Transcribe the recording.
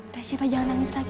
tersyafa jangan nangis lagi ya